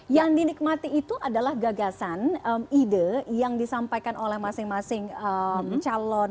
yang dinikmati itu adalah gagasan ide yang disampaikan oleh masing masing calon